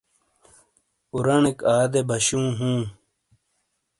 اورانیک آدے باشوں ہوں۔